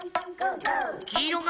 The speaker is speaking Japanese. きいろか？